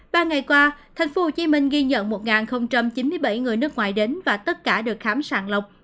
ba ngày qua thành phố hồ chí minh ghi nhận một chín mươi bảy người nước ngoài đến và tất cả được khám sàng lọc